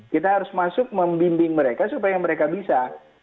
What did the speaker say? kita harus masuk membimbing mereka supaya mereka bisa